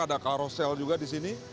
ada karosel juga di sini